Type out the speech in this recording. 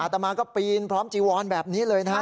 ตามาก็ปีนพร้อมจีวอนแบบนี้เลยนะฮะ